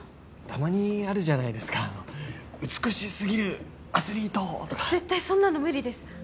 たまにあるじゃないですか美しすぎるアスリート！とか絶対そんなの無理です！